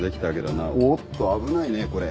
おっと危ないねこれ。